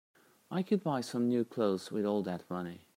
I could buy some new clothes with all that money.